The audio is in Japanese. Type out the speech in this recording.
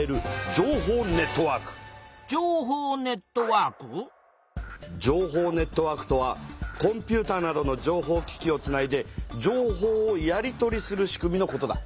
情報ネットワークとはコンピューターなどの情報機器をつないで情報をやり取りする仕組みのことだ。